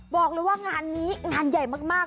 บอกเลยว่างานนี้งานใหญ่มาก